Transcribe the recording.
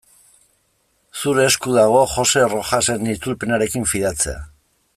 Zure esku dago Joxe Rojasen itzulpenarekin fidatzea.